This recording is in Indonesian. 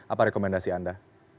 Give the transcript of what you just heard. apa rekomendasi anda